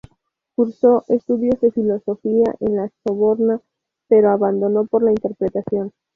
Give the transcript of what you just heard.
Cursó estudios de filosofía en la Sorbona, pero abandonó por la interpretación.